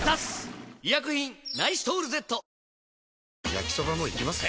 焼きソバもいきます？